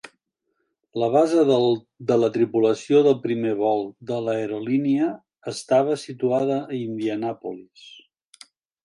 La base de la tripulació del primer vol de l'aerolínia estava situada a Indianapolis.